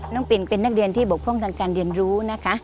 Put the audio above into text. ปินเป็นนักเรียนที่บกพร่องทางการเรียนรู้นะคะ